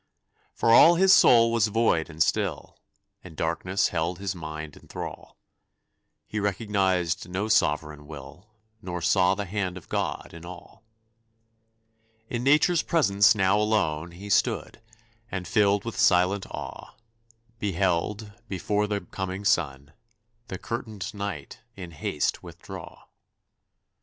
For all his soul was void and still, And darkness held his mind in thrall; He recognized no Sovereign Will, Nor saw the hand of God in all. In Nature's presence now alone He stood, and filled with silent awe, Beheld, before the coming sun, The curtained Night in haste withdraw.